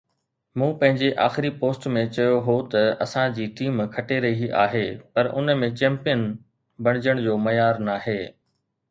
مون پنهنجي آخري پوسٽ ۾ چيو هو ته اسان جي ٽيم کٽي رهي آهي پر ان ۾ چيمپيئن بڻجڻ جو معيار ناهي